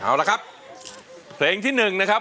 เอาละครับเพลงที่๑นะครับ